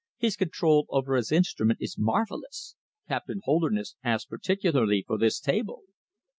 His control over his instrument is marvellous.... Captain Holderness asked particularly for this table."